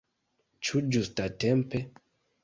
Ĉu ĝustatempe?